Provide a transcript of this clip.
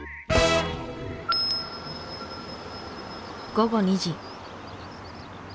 午後２時。